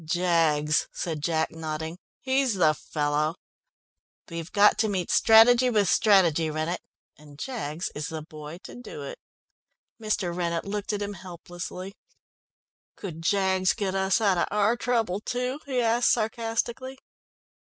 "Jaggs," said Jack, nodding, "he's the fellow. We've got to meet strategy with strategy, Rennett, and Jaggs is the boy to do it." Mr. Rennett looked at him helplessly. "Could Jaggs get us out of our trouble too?" he asked sarcastically.